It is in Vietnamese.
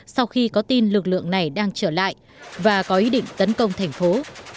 sau khi có tin lực lượng này đang trở lại và có ý định tấn công thành phố